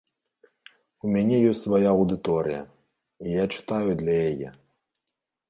У мяне ёсць свая аўдыторыя, і я чытаю для яе.